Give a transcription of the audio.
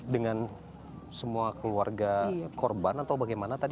dengan semua keluarga korban atau bagaimana tadi